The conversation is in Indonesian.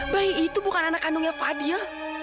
bayi itu bukan anak kandungnya fadil